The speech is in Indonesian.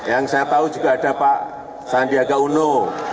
yang saya tahu juga ada pak sandiaga uno